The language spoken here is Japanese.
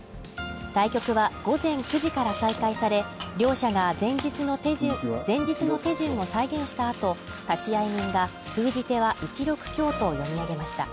対局は午前９時から再開され、両者が前日の手順前日の手順を再現した後、立会人が封じ手は１六香と読み上げました。